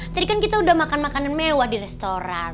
tadi kan kita udah makan makanan mewah di restoran